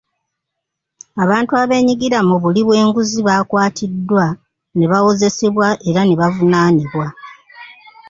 Abantu abeenyigira mu buli bw'enguzzi bakwatiddwa ne bawozesebwa era ne bavunaanibwa.